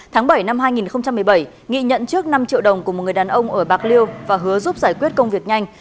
tháng bảy năm hai nghìn một mươi bảy nghị nhận trước năm triệu đồng của một người đàn ông ở bạc liêu và hứa giúp giải quyết công việc nhanh